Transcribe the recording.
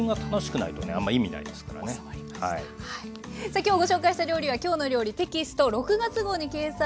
さあ今日ご紹介した料理は「きょうの料理」テキスト６月号に掲載しています。